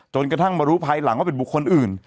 กระทั่งมารู้ภายหลังว่าเป็นบุคคลอื่น